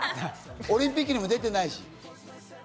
オリンピックにも出てないし。